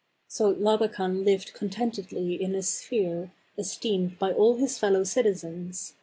So Labakan lived contentedly in his sphere, esteemed by all his fellow citizens.